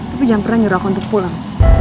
tapi jangan pernah nyuruh aku untuk pulang